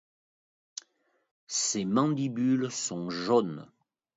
Ses mandibules sont jaunes.